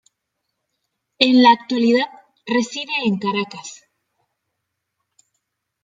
En la actualidad, reside en Caracas.